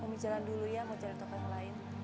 umi jalan dulu ya mau cari toko yang lain